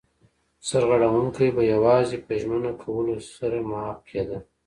سرغړونکی به یوازې په ژمنه کولو سره معاف کېده.